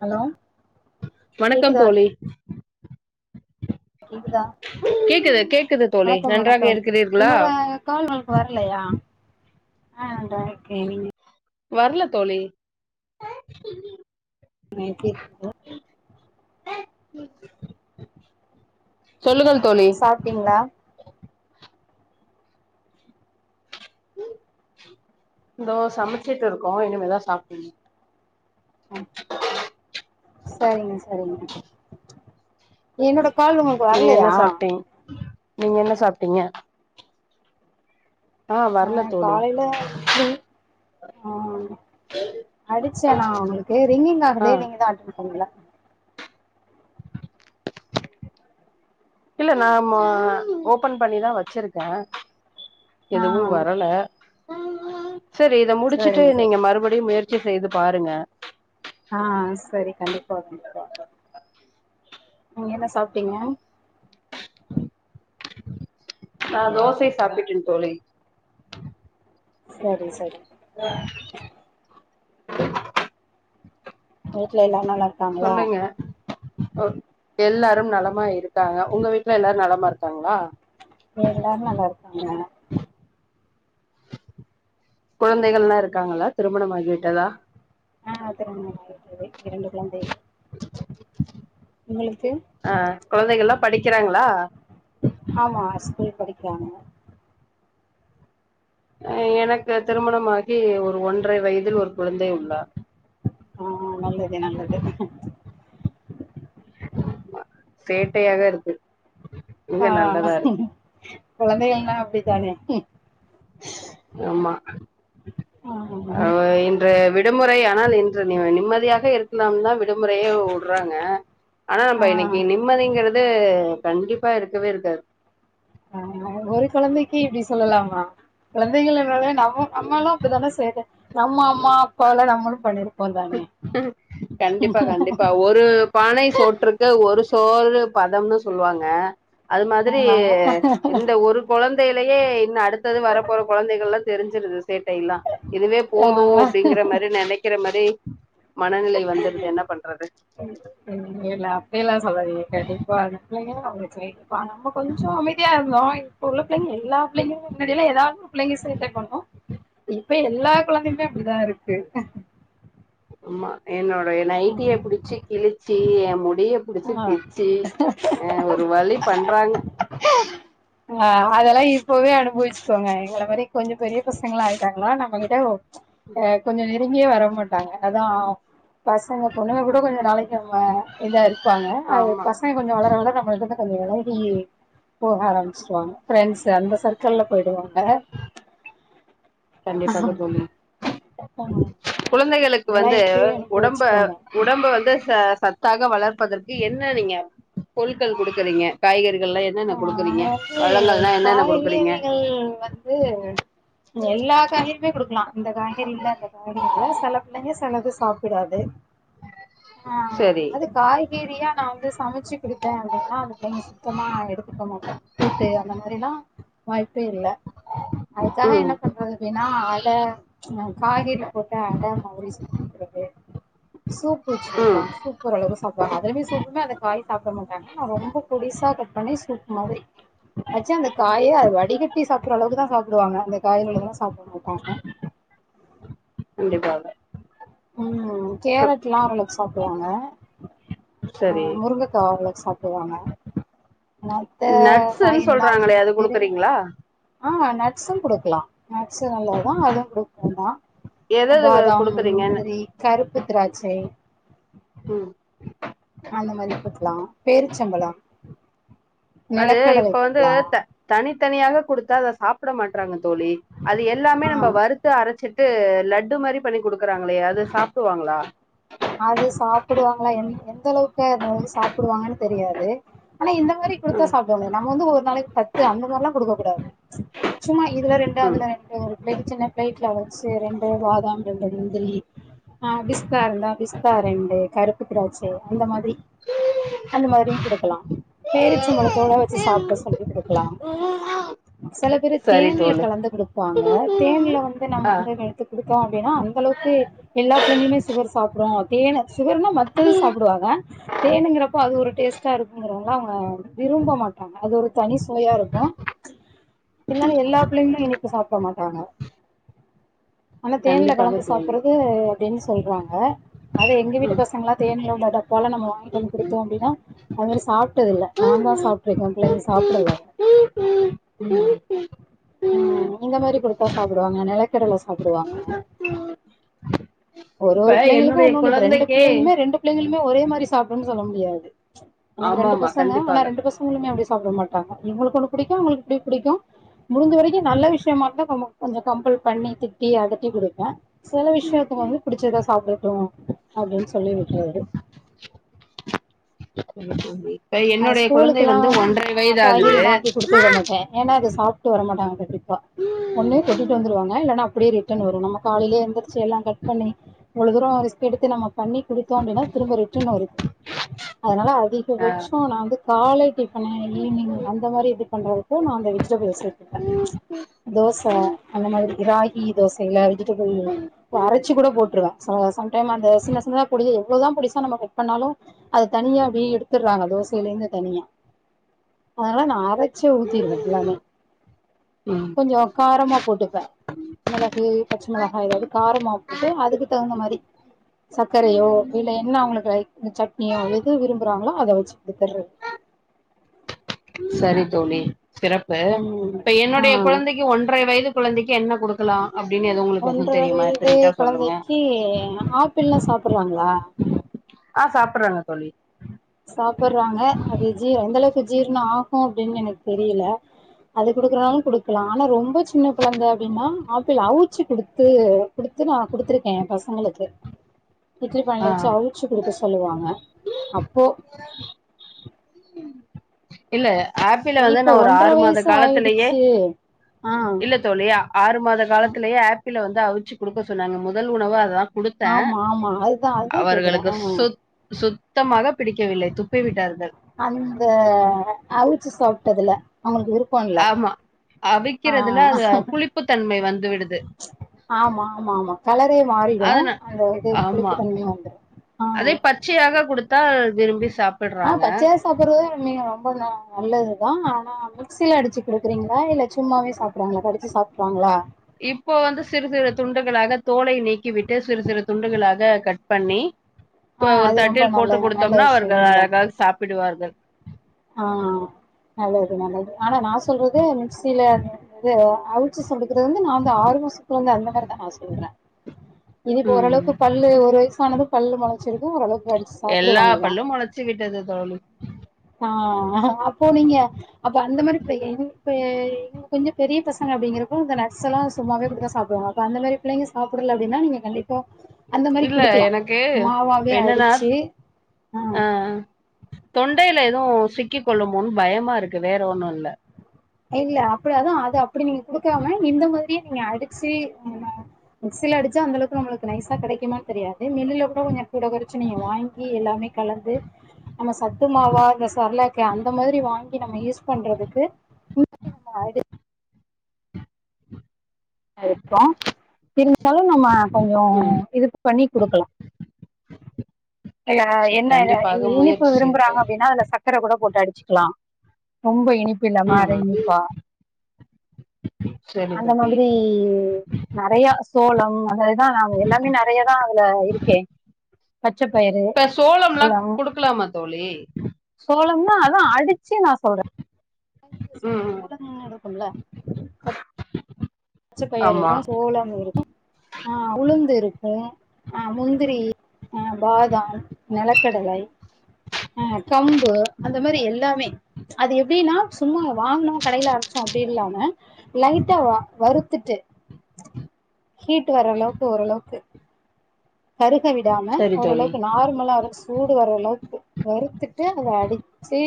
Hello வணக்கம் கேக்குதா தோழி கேக்குதா கேக்குது கேக்குது தோழி வணக்கம் நன்றாக வணக்கம் இருக்குறீர்களா என்னோட கால் உங்களுக்கு வர்லையா ஆ நன்றாக இருக்கிறேன் நீங்க வர்ல தோழி நேத்தி சொல்லுங்கள் தோழி ப்ட்டீங்களா இதோ சமச்சிட்டு இருக்கோ இனிமேதா சாப்புன்னும் சரிங்க சரிங்க என்னோட கால் உங்களுக்கு நீங்க வர்லியா என்ன சாப்ட்டீங் நீங்க என்ன சாப்ட்டீங்க ஆ வரல தோழி காலைல இட்லி ஆ அடிச்சே நா உங்களுக்கு ரிங்கிங் ஆ ஆகுதே நீங்கதா ஆட்டன் பண்ல இல்ல நா ஆமா ஓபன் பண்ணிதா வச்சிருக்கே ஆ எதுவும் வரல செரி இத முடிச்சுட்டு சரிங்க சரி நீங்க மறுபடியு முயற்சி செய்து பாருங்க ஆ சரி கண்டிப்பா கண்டிப்பா நீங்க என்ன சாப்ட்டீங்க நா தோசை சாப்பிட்டேன் தோழி சரி சரி ஆ வீட்ல எல்லாரு நல்லாருக்காங்ளா ம் எல்லாரும் நலமா இருக்காங்க உங்க வீட்ல எல்லாரும் நலமா இருக்காங்களா இங்க எல்லாரு நல்லாருக்காங்க குழந்தைகள்லா இருக்காங்களா திருமணம் ஆகிவிட்டதா ஆ திருமணம் ஆகிவிட்டது இரண்டு குழந்தைகள் உங்களு அ குழந்தைகள்லா படிக்கிறாங்களா ஆமா ஸ்கூல் படிக்கிறாங்க அ எனக்கு திருமணமாகி ஒரு ஒன்ரை வயதில் ஒரு குழந்தை உள்ளார் ஆ நல்லது நல்லது சேட்டையாக இருக்கு இங்க ஆ நல்லதா இருக்கு குழந்தைகள்ன்னா அப்டிதானே ஆமா ஆமா அவ அ விடுமுறை ஆனால் இன்று நிவ நிம்மதியாக இருக் லாம் தா விடுமுறையே உட்றாங்க ஆனா ஆ நம்ப இன்னிக்கி நிம் நிம்மதிங்கறது கண்டிப்பா இருக்கவே இருக்காது ஆஹ ஒரு கொழந்தைக்கு இப்படி சொல்லலாமா கொழந்தைகளனாலே நம்ம அம்மாலா அப்டிதான சேட்ட நம்ம அம்மா அப்பாவால நம்மளும் பண்ணிரு ப்போ தானே கண்டிப்பா கண்டிப்பா ஒரு பானை சோற்றுக்கு ஒரு சோறு பதம்னு சொல்லுவாங்க அது மாதிரி ஆ இந்த ஒரு கொழந்தையிலயே இன்னு அடுத்தது வரப்போற கொழந்தைகள்லா தெரிஞ்சிருது சேட்டை எல்லா இதுவே போது ஆ அப்டிங்கிற மரே நெனைக்கிற மரே மனநிலை வந்துருது என்ன பண்றது ம் ம் இல்ல இல்ல அப்டியெல்லா சொல்லாதீங்க கண்டிப்பா அந்த பிள்ளைங்க அவுங்க செய்திப்பா நம்ம கொஞ்சோ அமைதியா இருந்தோ இப்ப உள்ள பிள்ளைங்க எல்லா பிள்ளைங்களுமே முன்னடியிலா ஏதாவது ஒரு பிள்ளைங்க சேட்டை பண்ணு இப்ப எல்லா கொழந்தையுமே அப்படிதா இருக்கு ஆமா என்னோட எ நைட்டிய புடிச்சு கிழிச்சி எ முடிய ஆ புடிச்சு பிச்சு அ ஒரு வழி பண்றாங்க ஆ அதெல்லா இப்பவே அனுபவச்சுக்கோங்க எங்கள மாரி கொஞ்சோ பெரிய பசங்களா ஆயிட்டாங்களா நம்மகிட்ட அ கொஞ்சோ நெருங்கியே வர மாட்டாங்க அதா பசங்க பொண்ணுங்க கூட கொஞ்சோ நாளைக்கு நம்ம இதா இருப்பாங்க அது ஆமா பசங் க கொஞ்சோ வளர வளர நம்மள்கிட்ட கொஞ்சோ வெலகி போக ஆரம்பிச்சிருவாங்க ஃப்ரெண்ட்ஸ் அந்த சர் க்குல்ல போயிடுவாங்க கண்டிப்பாக தோழி ஆமா குழந்தைகளுக்கு இதெல்லா வந்து இப்பயே உடம்ப அனுபவிச்சுக்கோங்க உடம்ப வந்து ச சத் தாக வளர்ப்பதற்கு என்ன நீங்க பொருட்கள் குடுக்கறீங்க காய்கறிகள்லா என்னென்ன ஆ குடுக்குறீங்க பழங்கள்ல்லா என்னன்ன குடுக்குறீங்க ம் வந்து எல்லா காய்கறியுமே குடுக்லா இந்த காய்கறி இல்ல அந்த காய்கறி இல்ல செல பிள்ளைங்க செலது சாப்பிடாது ஆ சரி அது காய் கறியா நா வந்து சமைச்சு குடுத்தே அப்டின்னா அது கொஞ்சோ சுத்தமா எடுத்துக்கமாட்டாங் கூட்டு அந்த மாரில்லா வாய்ப்பே இல்ல அதுக்காக ம் என்ன பண்றது னா அட காய்கறி போட்ட அட மாரி சுட்டு குடுக்கறது சூப்பு வச்சு ம் குடுக்கலா சூப் ஓரளவுக் சாப்டுவாங்க அதுலுமே சூப்புமே அந்த காய் சாப்ட மாட்டாங்க நா ரொம்ப பொடிசா கட் பண்ணி சூப்பு மாதிரி அக்ஷவளா அந்த காயே வடிகட்டி சாப்டறளவுக்கு தா சாப்டுவாங்க அந்த காய்களுக்குதா சாப்பிட மாட்டாங்க கண்டிப்பாக ம் ம் கேரட்ல்லா அவ்ளோக்கு சாப்டுவாங்க சரி முருங்கக்கா அவ்ளோக்கு சாப் டுவாங்க மத்த நட்ஸ்ன்னு காய்கறி எல்லா சொல்றாங்களே அதிகமா அது வந்து குடுக்குறீங்களா ஆ நட்ஸும் குடுக்கலா நட்ஸும் நல்லது தா அதுவு குடுக்கலாதா எத எது பாதாம் முந் குடுக்குறீங்கன்னு திரி கருப்புத் திராச்சை ம் அந்த மாரி குடுக்கலா பேருச்சம்பழம் அது இப்ப வந்து குடுக்கலா தனித்தனியாவே குடுத்தா அத சாப்ட மாட்டறாங்க தோழி அது எல்லாமே ஆ நம்ம வரு த்து அரைச்சிட்டு லட்டு மாரி பண்ணி குடுக்கறாங்களே அத சாப்டுவாங்களா அது சாப்பிடுவாங்களா எ எந்த அளவுக்கு அது வந்து சாப்பிடுவாங்கன்னு தெரியாது ஆனா இந்த அந்த மாரி குடுத்த ம் சாப்பிடுவாங்க நம்ம வந்து ஒரு நாளைக் பத்து அந்த மாதிரிலா குடுக்ககூடாது சும்மா இதுல ரெண்டு ம் அதுல ரெண்டு ஒரு பிளேட்ல சின்ன பிளேட்ல வச்சு ரெண்டு பாதாம் ரெண்டு முந்திரி ஆ பிஸ்தா இருந்தா பிஸ்தா ரெண்டு கருப்பு திராட்சை அந்த மாதிரி அந்த மாதிரியும் கொடுக்கலாம் பேரிச்சம்பளத்தோட வச்சு சாப்பிட சொல்லி கொடுக்கலாம் சில பேரு சரி தேன்ல தோழி கலந்து கொடுப்பாங்க தேன்ல வந்து ஆ நம்ம வந்து எத்து கொடுத்தோம் அப்படின்னா அந்த அளவுக்கு எல்லா பிள்ளைளுமே சுகர் சாப்பிடும் தேன் சுகர்னா ம து சாப்பிடுவாங்க தேனுுங்கிறப்போ அது ஒரு டேஸ்ட்டா இருக்குங்கிறவங்கள அவங்க விரும்ப மாட்டாங்க அது ஒரு தனி சுவையா இருக்கும் என்னாலும் எல்லா பிள்ளைகளும் இனிப்பு சாப்பிட மாட்டாங்க ஆனா தேனல கண்டிப்பாக கலந்து தோழி சாப்பிடுறது அப்படின்னு சொல்றாங்க அத எங்க வீட்டு பசங்களான் தேன்ல உள்ள டப்பால நம்ம வாங்கிட்டோம் கொடுத்தோம் அப்படின்னா தேன் அவரு சாப்பிட்டதில்ல நான்தான் சாப்டேருக்கேன் புள்ளைங்க சாப்படல ம் இந்த மாதிரி கொடுத்தா சாப்பிடுவாங்க நிலக்கடலை சாப்பிடுவாங்க இப்ப பிள்ளைங்களுக்கு என்னுடைய ஒன்னொன்னு இப்ப ரெண்டு குழந்தைக்கே பிள்ளைங்களுமே ரெண்டு பிள்ளைளுமே ஒரே மாதிரி சாப்ட்டுனு சொல்ல முடியாது எனக்கு ஆமா ரெண்டு ஆமா பசங்க ஆனா கண்டிப்பாக ரெண்டு பசங்க வங்களுமே அப்படி சாப்பிட மாட்டாங்க இவங்களுக்கு ஒண்ணு பிடிக்கும் அவங்களுக்குப்படி பிடிக்கும் முடிஞ வரைக்கும் நல்ல விஷயமா இருதான் கொஞ்சம் கம்பல் பண்ணி திட்டி அதட்டி கொடுப்பேன் சில விஷயத்துல வந்து புிடிச்சதை சாப்பிடட்டும் அப்படின்னு சொல்லி விட்ருவாரு இப்ப அ என்னுடைய குழந்தை ஸ்கூலுக்குல்லா வந்து ஒன்றரை நா வயது ஆகுது காய்கறில்லா ஆக்கி குடுத்து விட மாட்டே ஏன்னா அது சாப்பிட்டு வரமாட்டாங்க கண்டீப்பா ஒன்னு கொட்டிட்டு வந்துருவாங்க இல்லன்னா அப்படியே ரிட்டர்ன் வரும் நம்ம காலையே எந்திரச்ச எல்லாம் கட் பண்ணி இவ்வளவு தூரம் ரிஸ்க்கு எடுத்து நம்ம பண்ணி கொடுத்தோம் அப்படின திரும்ப ரிட்டன் வருது அதனால அதிகபட்சம் நான் வந்து கால டிஃபன் ஈவினிங் அந்த மாதிரி இது பண்றதுக்கு நான் அந்த வெஜிடபிள் சேர்த்துப்பேன் தோசை அந்த மாதிரி ராகி தோசை எல்லாம் அரைச்சு கூட போட்டுருவேன் சம்டைம் அந்த சின்ன சின்னதா பொடியா அவ்ளோதான் புடிசா நம கட் பண்ணாலும் அது தனியா அப்டியே எடுத்துடுறாங்க தோசையிலே இருந்து தனியா அதனால நான் அரைச்சே ஊத்திடுவேன் எல்லாமே ம் கொஞ்சம் காரமா போட்டுப்பேன் மிளகு பச்சை மிளகாய் ஏதாவது காரமாக போட்டு அதுக்கு தகுந்த மாதிரி சர்க்கரையோ இல்லை என்ன அவங்களுக்கு லைக் சட்னியோ எது விரும்புறாங்களோ அதை வச்சு குடுத்துறது சரி தோழி சிறப்பு ம் இப்ப என்னுடைய ஆ கொழந்தைக் கி ஒன்றை வயது கொழந்தைக்கு என்ன குடுக்கலாம் அப்டினு எதுவும் ஊட் ஒன்ற வயது கொழந்தைக்கு ஆப்பிள்ல்லாம் சாப்பறாங்களா ஆ சாப்பறாங்க தோழி சாப்பறாங்க அது ஜீ எந்தளவுக்கு ஜீரணம் ஆகும் அப்டின்னு எனக்கு தெரில அது குடுக்குறனாலும் குடுக்கலாம் ஆனா ரொம்ப சின்ன கொழந்தை அப்டின்னா ஆப்பிள் அவிச்சு குடுத்து குடுத்து நான் குடுத்துருக்கேன் என் பசங்களுக்கு இட்லி ஆ பாணைல வச்சு அவிச்சி குடுக்க சொல்லுவாங்க போ இல்ல ஆப்பிள் வந்து இப்ப நான் ஒரு ஒன்ற ஆறு மாத வயசு காலத்துலயே ஆயிடுச்சு ஆ இல்ல தோழி ஆறு மாத அ காலத்லேயே ஆப்பிள் வந்து அவிச்சு கொடுக்க சொன்னாங்க முதல் உணவு அதான் ஆமா ஆமா அதுதா அதுதா கேக்குறே அவர்களுக்கு ஆ சொ சுத்தமாக பிடிக்கவில்லை துப்பி விட்டார்கள் அந்த அவிச்சு சாப்ட்டதுல அவங்களுக்கு விருப்போ இல் ஆமா அவிக்கறதுல அது புளிப்புத்தன்மை வந்து விடுது ஆமா ஆமா ஆமா கலரே மாறிடு அதனா அந்த இது ஆமா. புளிப்பு தன்மையு வந்துடு அதே பச்சையாக குடுத்தா விரும்பி சாப்படறாங்க சாப்படறது உண்மையா ரொம்ப நல்லதுதா ஆனா மிக்சில அடிச்சு குடுக்கறீங்களா இல்ல சும்மாவே சாப் சாப்றாங்களா கடிச்சி சாப்பறாங்களா இப்போ வந்து சிறு சிறு துண்டுகளாக தோலை நீக்கி விட்டு சிறு சிறு துண்டுகளாக கட் ட் பண்ணி ஆ ஒரு அது ரொம்ப தட்டில் போட்டு நல்ல நல்ல குடுத்தோம்னா அவர்கள் விஷயம்தான் அழகாக சாப்பிடுவார்கள் ஆ ஆ நல்லது நல்லது ஆனா நா சொல்றது மிக்ஸ்சில இது அவுச்சு குடுக்கறது வந்து நா வந்து ஆறு மாசத்துல இருந்து அந்த மாறிதா நா சொல்றே இதுக்கு ஓரளவுக்கு ம். பல்லு ஒரு வயசானது பல்லு முளச்சிருக்கு ஓரளவுக்கு கடிச்சு சாப்பிடுவாங்கதா வச்சு கிட்டது தோழி ஆ அப்போ நீங்க அப்ப அந்த மாறி செய்யங்க செய் கொஞ்ச பெரிய பசங்க அப்டிகரப்ப நட்ஸ்லா சும்மாவே குடுத்தா சாப்டுவாங்க அந்த மாறிபுள்ளைங்க சாப்டல அப்டினா நீங்க கண்டி வா இல்ல எனக்கு இப்ப என்னன்னா அடிச்சு ஆ தொண்டையில எதுவு சிக்கிக் கொள்ளுமோன்னு பயமா இருக்கு வேற ஒண்ணு இல்ல இல்ல அப்டி அதா அது அப்டி நீங்க குடுக்காம இந்த மாறியே நீங்க அடிச்சு மிக்சில அடிச்சா அந்தளவுக்கு நம்மளுக்கு நைசா கடைக்குமானு தெரியாது மில்லுல கூட கொஞ்சம் கூட குறச்சி நீங்க வாங்கி எல்லாமே கலந்து நம்ம சத்து மாவா இந்த செரலேக்கா அந்த மாறி வாங்கி நம்ம யூஸ் பண்றதுக்கு [unintelligible] அது இருக்கலா இருந்தாலு நம்ம கொஞ்சோ ம். இது பண்ணி குடுக்கலா எறா சரி என்ன இது கண்டிப்பாக இனிப்பு முயற்சி செய்து விரும்பறாங்க ப அப்டினா அதுல ச சக்கர கூட போட்டு அடிச்சுக்கலா ரொம்ப இனிப்பு இல்லாம அர ம். இனிப்பா சேரி தோழி ம்ம்ம் நறைய சோளம் அதுதா நா எல்லாமே நறைய தா அதுல இருக்கே பச்ச பயிறு எல்லாம் க்லாமா தோழி சோழம்னா அதா அடிச்சு நா சொல்றே [inaudible] ம். [unintelligible] இருக்கும்ல பத் பச்ச பயிர் ஆமா. [inaudible] சோளம் [inaudible] உளுந்து இருக்கு அ முந்திரி அ பாதாம் நெலக்கடலை ஆ கம்பு அந்த மாரி எல்லாமே அது எப்டினா சும்மா வாங்னோ கடைல அரைச்சோ அப்டி இல்லாம லைட்டா வறுத்துட்டு ஹீட் வர அளவுக்கு ஓரளவுக்கு கருக விடாம சரி தோழி. ஓரளவுக்கு நார்மலா சூடு வரளவுக்கு வறுத்துட்டு அத அடுச்சு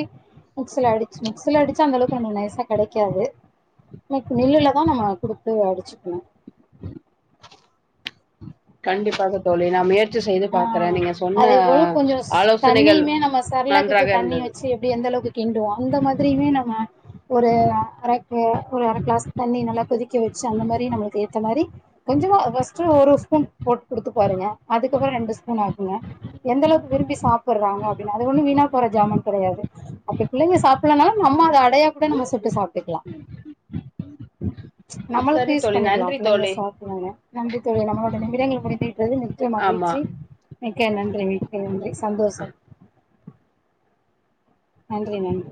மிக்சில அடுச்சு மிக்சில அடுச்சா அந்தளவுக்கு வந்து நைசா கெடைக்காது மில்லுல தா நம்ம குடுத்து அடுச்சுக்கணு கண்டிப்பாக தோழி நா முய ற்சி செய்து ஆ பாக்கறே நீங்க சொன்ன அதே போல கொஞ்சோ ஆலோசனைகள் தண்ணியுமே நம்ம சர்லாக்குக்கு நன்றாக தண்ணி இருந்தது வச்சு எப்டி எந்தளவுக்கு கிண்டுவோ அந்த மாதிரியுமே நம்ம ஒரு அரைக்கு ஒரு அர கிளாஸ் தண்ணி நல்லா கொதிக்க வச்சு அந்த மாரி நம்ளுக்கு ஏத்த மாரி கொஞ்சமா ஃபஸ்ட்டு ஒரு ஸ்பூன் போட் குடுத்து பாருங்க அதுக் கப்றோ ரெண்டு ஸ்பூன் ஆக்குங்க எந்த அளவுக்கு விரும்பி சாப்புட்றாங்க அப்டின்னு அது ஒன்னு வீணா போற ஜாமான் கெடையாது அப்டி புள்ளைங்க சாப்பல்லனாலு நம்ம அத அடையா கூட நம்ம சுட்டு சாப்ட்டுக்லா சரி நம்மளுக்கு யூஸ் தோழி பண்ணிக்கலா நன்றி பிள்ளைங்க தோழி சாப்டுவாங்க நன்றி தோழி நம்மளோட நிமிடங்கள் முடிந்து விட்டது நி்ச்சயமாக ஆமா மிக்க நன்றி மிக்க நன்றி சந்தோஷம் நன்றி நன்றி